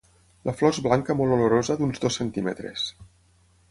La flor és blanca molt olorosa d'uns dos centímetres.